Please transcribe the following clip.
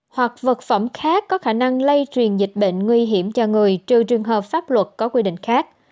hoặc vật phẩm khác có khả năng lây truyền dịch bệnh nguy hiểm cho người trừ trường hợp pháp luật có quy định khác